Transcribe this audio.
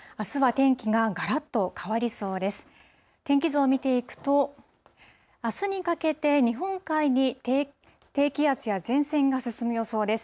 天気図を見ていくと、あすにかけて日本海に低気圧や前線が進む予想です。